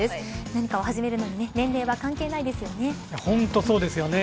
何かを始めるのに年齢は関係ないですよね。